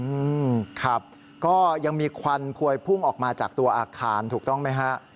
อืมครับก็ยังมีควันพวยพุ่งออกมาจากตัวอาคารถูกต้องไหมฮะ